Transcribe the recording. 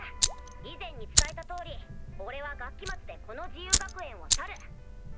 以前に伝えた通り俺は学期末でこの自由学園を去る。